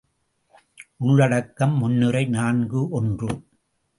உள்ளடக்கம் முன்னுரை நான்கு ஒன்று.